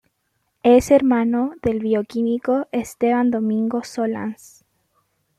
Es hermano del bioquímico Esteban Domingo Solans.